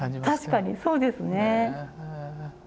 確かにそうですね。